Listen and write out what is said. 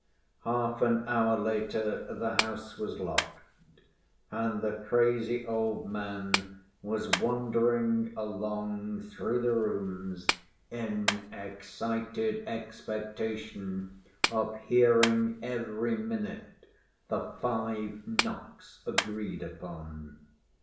Half an hour later the house was locked, and the crazy old man was wandering along through the rooms in excited expectation of hearing every minute the five knocks agreed upon.